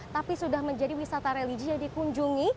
tapi sudah menjadi wisata religi yang dikunjungi